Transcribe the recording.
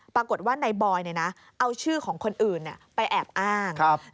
ปรากฏว่านายบอยเอาชื่อของคนอื่นไปแอบอ้าง